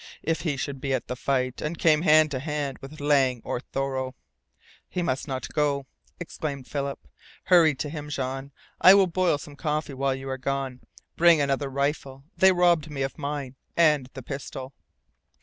If he should be at the fight, and came hand to hand with Lang or Thoreau " "He must not go!" exclaimed Philip. "Hurry to him, Jean. I will boil some coffee while you are gone. Bring another rifle. They robbed me of mine, and the pistol."